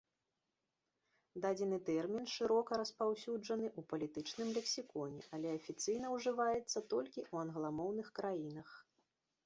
Дадзены тэрмін шырока распаўсюджаны ў палітычным лексіконе, але афіцыйна ўжываецца толькі ў англамоўных краінах.